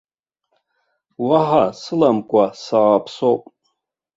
Уаҳа сыламкәа сааԥсоуп.